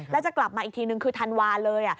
แล้วจะกลับมาอีกทีนึงคือธันวาเลย